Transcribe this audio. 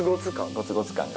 ゴツゴツ感が。